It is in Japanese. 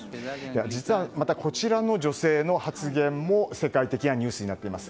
実はまたこちらの女性の発言も世界的なニュースになっています。